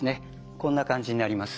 こんな感じになります。